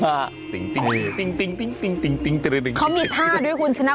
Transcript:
เขามีท่าด้วยใช่ไหมหรือเปล่า